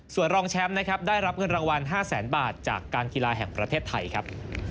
ส่วนรองแชมป์นะครับได้รับเงินรางวัล๕แสนบาทจากการกีฬาแห่งประเทศไทยครับ